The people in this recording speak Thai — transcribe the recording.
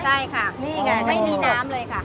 ใช่ค่ะไม่มีน้ำเลยค่ะ